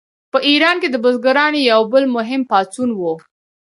په ایران کې د بزګرانو یو بل مهم پاڅون و.